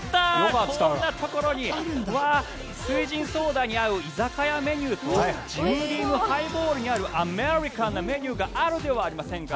翠ジンソーダに合う居酒屋メニューとジムビームハイボールに合うアメリカンなメニューがあるではありませんか。